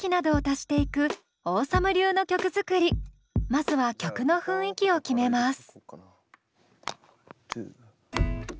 まずは曲の雰囲気を決めます。